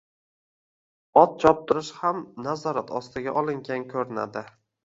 Ot choptirish ham nazorat ostiga olingan ko`rinadi